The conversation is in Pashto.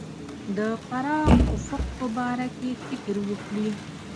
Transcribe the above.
د پراخ افق په باره کې فکر وکړي.